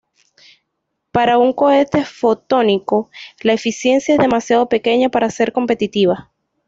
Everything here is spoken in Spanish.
Para un cohete fotónico, la eficiencia es demasiado pequeña para ser competitiva.